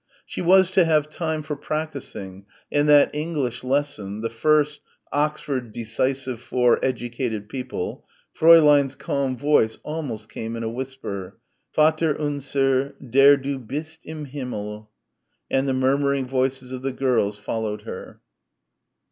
She was to have time for practising and that English lesson the first Oxford, decisive for educated people.... Fräulein's calm voice came almost in a whisper, "Vater unser ... der Du bist im Himmel," and the murmuring voices of the girls followed her.